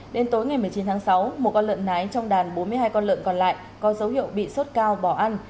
đến tối ngày một mươi chín tháng sáu một con lợn nái trong đàn bốn mươi hai con lợn còn lại có dấu hiệu bị sốt cao bỏ ăn